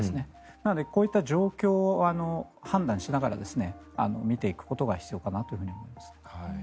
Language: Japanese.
なのでこういった状況を判断しながら見ていくことが必要かなと思います。